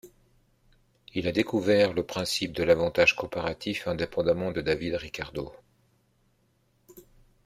Il a découvert le principe de l'avantage comparatif indépendamment de David Ricardo.